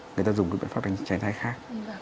người ta dùng các bệnh pháp tránh thai khác